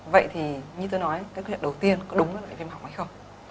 vậy thì như tôi nói cái câu chuyện đầu tiên có đúng là bệnh viêm họng hay không